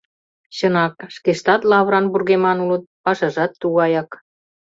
Чынак, шкештат лавыран вургеман улыт, пашажат тугаяк.